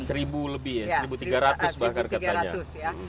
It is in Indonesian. seribu lebih ya seribu tiga ratus bahkan katanya